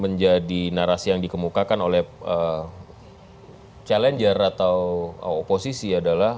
menjadi narasi yang dikemukakan oleh challenger atau oposisi adalah